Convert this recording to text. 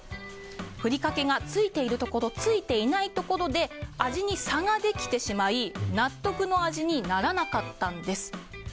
ふりかけがついているところついていないところで味に差ができてしまい納得の味にならなかったんです。